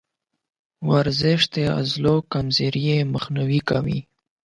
ورزش د عضلو کمزوري مخنیوی کوي.